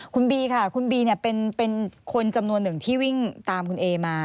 คุณบีค่ะคุณบีเป็นคนจำนวนหนึ่งที่วิ่งตามคุณเอมา